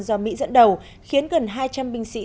do mỹ dẫn đầu khiến gần hai trăm linh binh sĩ